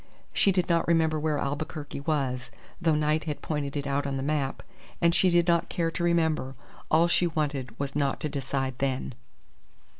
She did not remember where Albuquerque was, though Knight had pointed it out on the map; and she did not care to remember. All she wanted was not to decide then.